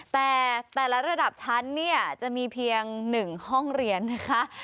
แต่แต่ละระดับชั้นเนี่ยจะมีเพียง๑ห้องเรียนนะคะ